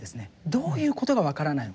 どういうことがわからないのか。